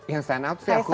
yang stand out sih aku